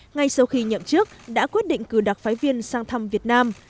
ngay sau khi nhậm chức đã quyết định cử đặc phái viên sang thăm việt nam